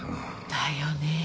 だよね。